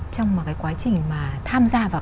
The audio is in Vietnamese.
trong một cái quá trình mà tham gia vào